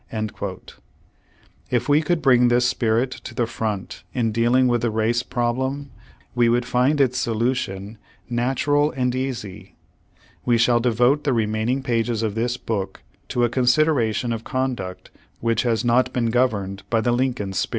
^ If we could bring this spirit to the front in dealing with the race problem, we would find its solution natural and easy. We shall devote the remaining pages of this book to a consideration of conduct which has not been governed by the Lincoln spirit.